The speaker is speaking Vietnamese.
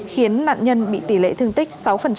khiến nạn nhân bị tỷ lệ thương tích sáu